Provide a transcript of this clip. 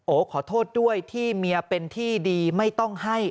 ขอโทษด้วยที่เมียเป็นที่ดีไม่ต้องให้